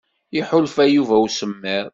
Iḥulfa Yuba i usemmiḍ.